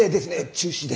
中止で！